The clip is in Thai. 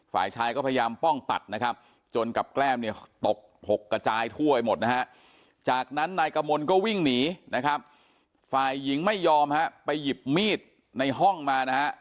ฝ่ายชายก็พยายามป้องตัดนะครับจนกับแกล้มเนี่ยตกหกกระจายถ้วยหมดนะฮะ